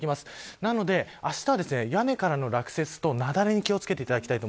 なので、あしたは屋根からの落雪と雪崩に気を付けてください。